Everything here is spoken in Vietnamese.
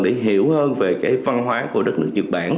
để hiểu hơn về cái văn hóa của đất nước nhật bản